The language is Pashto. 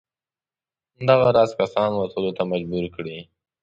دغه راز کسان وتلو ته مجبور کړي.